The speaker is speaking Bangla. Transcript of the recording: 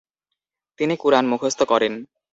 তিনি কুরআন মুখস্থ করেন।